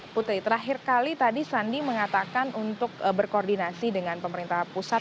putri terakhir kali tadi sandi mengatakan untuk berkoordinasi dengan pemerintah pusat